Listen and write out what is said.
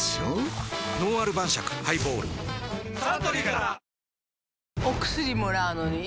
「のんある晩酌ハイボール」サントリーから！